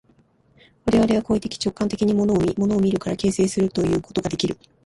我々は行為的直観的に物を見、物を見るから形成するということができる。